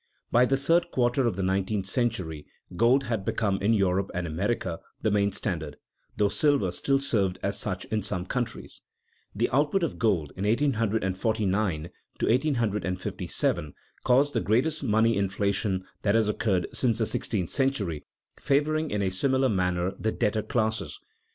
By the third quarter of the nineteenth century gold had become in Europe and America the main standard, though silver still served as such in some countries. The output of gold in 1849 57 caused the greatest money inflation that has occurred since the sixteenth century, favoring in a similar manner the debtor classes.